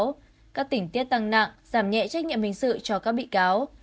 trong đó các tình tiết tăng nặng giảm nhẹ trách nhiệm hình sự cho các bị cáo